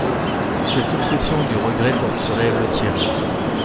Toute cette obsession du regret torturait Lethierry.